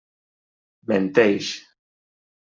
Menteix.